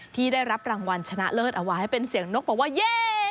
ที่ได้รับรางวัลชนะเลิศเอาไว้เป็นเสียงนกบอกว่าเย่